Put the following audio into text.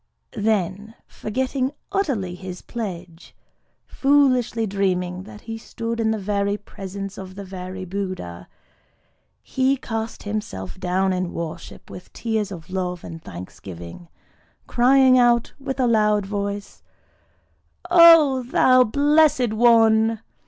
Then forgetting utterly his pledge,—foolishly dreaming that he stood in the very presence of the very Buddha,—he cast himself down in worship with tears of love and thanksgiving; crying out with a loud voice, "_O thou Blessed One!